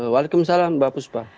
waalaikumsalam mbak puspa